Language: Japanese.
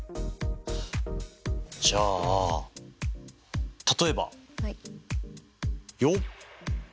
じゃあ例えばよっ！